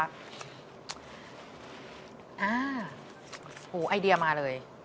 อ่าโอ้ไอเดียมาเลย